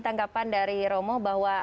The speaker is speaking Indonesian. tanggapan dari romo bahwa